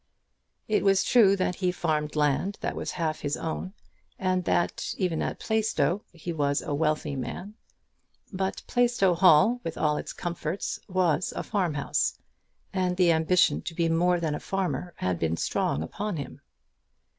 It was true that he farmed land that was half his own, and that, even at Plaistow, he was a wealthy man; but Plaistow Hall, with all its comforts, was a farm house; and the ambition to be more than a farmer had been strong upon him.